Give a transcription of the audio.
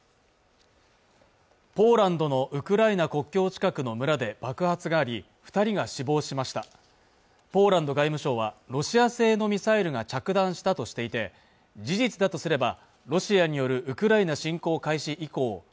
ポーランドのウクライナ国境近くの村で爆発があり二人が死亡しましたポーランド外務省はロシア製のミサイルが着弾したとしていて事実だとすればロシアによるウクライナ侵攻開始以降